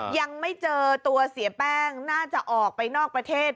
ยังไม่เจอตัวเสียแป้งน่าจะออกไปนอกประเทศ